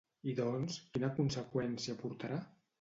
I doncs, quina conseqüència portarà?